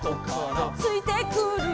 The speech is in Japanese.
「ついてくる」